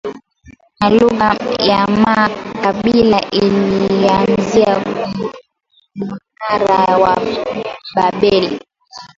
Ma luga ya ma kabila ilianzia ku munara wa babeli